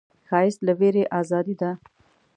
ښایست له ویرې ازادي ده